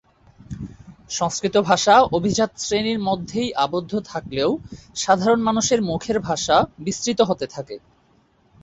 সংস্কৃত ভাষা অভিজাত শ্রেণির মধ্যেই আবদ্ধ থাকলেও সাধারণ মানুষের মুখের ভাষা বিস্তৃত হতে থাকে।